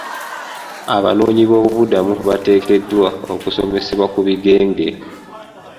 Abanoonyi boobubudamu bateekeddwa okusomesebwa ku bigenge.